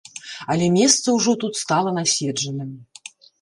Але месца ўжо тут стала наседжаным.